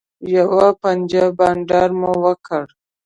یوه پنجه بنډار مو وکړ.